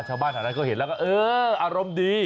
ชาวบ้านแถวนั้นเขาเห็นแล้วก็เอออารมณ์ดี